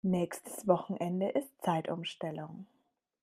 Nächstes Wochenende ist Zeitumstellung.